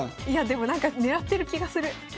いやでもなんか狙ってる気がする。